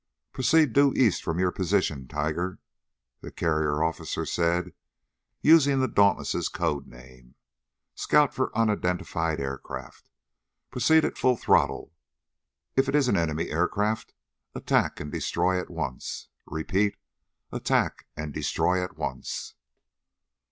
"Proceed due east from your position, Tiger!" the carrier officer said, using the Dauntless' code name. "Scout for unidentified aircraft. Proceed at full throttle. If it is an enemy aircraft, attack and destroy at once. Repeat! Attack and destroy at once!"